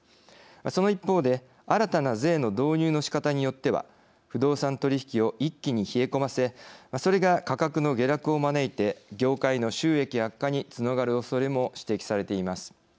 その一方で新たな税の導入のしかたによっては不動産取引を一気に冷え込ませそれが価格の下落を招いて業界の収益悪化につながるおそれも指摘されています。